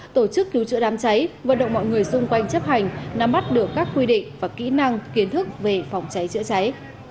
tổ chức cứu chữa đám cháy vận động mọi người xung quanh chấp hành nắm bắt được các quy định và kỹ năng kiến thức về phòng cháy chữa cháy